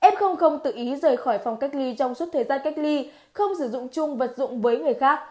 f tự ý rời khỏi phòng cách ly trong suốt thời gian cách ly không sử dụng chung vật dụng với người khác